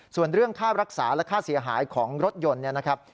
ส่วนเรื่องค่ารักษาและค่าเสียหายของรถยนต์เนี่ยนะครับ